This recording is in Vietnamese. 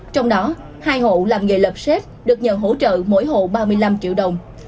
trong đó hai hộ làm nghề lợp xếp được nhận hỗ trợ mỗi hộ ba mươi năm triệu đồng